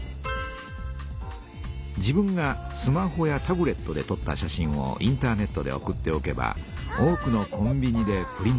自分がスマホやタブレットでとった写真をインターネットで送っておけば多くのコンビニでプリントできます。